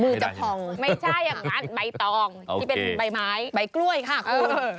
จะพองไม่ใช่อย่างนั้นใบตองที่เป็นใบไม้ใบกล้วยค่ะเออ